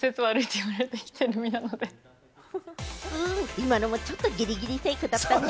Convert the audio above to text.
今のもちょっとギリギリセーフだったね。